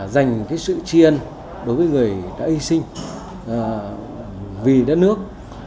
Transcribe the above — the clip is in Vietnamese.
dành cái sự chiên đối với người đã y sinh vì đất nước